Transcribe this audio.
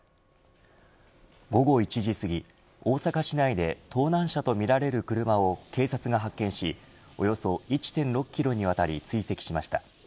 午後１時すぎ、大阪市内で盗難車とみられる車を警察が発見しおよそ１．６キロにわたり追跡しました。